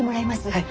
はい。